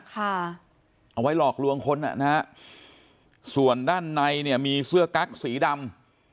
เอาไว้หลอกลวงคนอ่ะนะฮะส่วนด้านในเนี่ยมีเสื้อกั๊กสีดำ